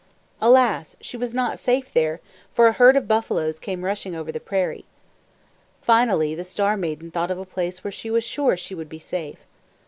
Alas! She was not safe there, for a herd of buffaloes came rushing over the prairie. Finally the Star Maiden thought of a place where she was sure she would be safe.